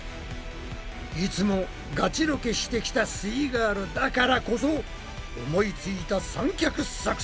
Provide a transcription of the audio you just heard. いつもガチロケしてきたすイガールだからこそ思いついた三脚作戦。